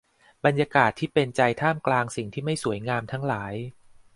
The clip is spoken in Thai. บรรยากาศที่เป็นใจท่ามกลางสิ่งที่ไม่สวยงามทั้งหลาย